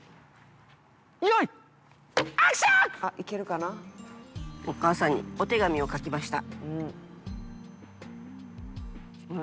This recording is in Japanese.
よーい、お母さんにお手紙を書きました。